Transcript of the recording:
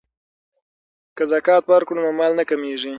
که زکات ورکړو نو مال نه کمیږي.